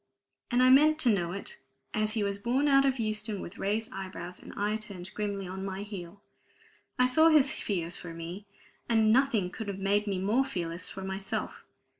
And I meant to know it, as he was borne out of Euston with raised eyebrows, and I turned grimly on my heel. I saw his fears for me; and nothing could have made me more fearless for myself.